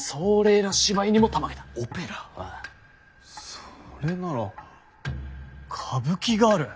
それなら歌舞伎がある。